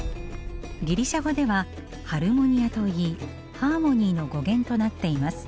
ギリシャ語ではハルモニアといいハーモニーの語源となっています。